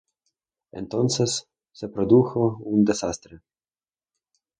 Entonces, se produjo un desastre.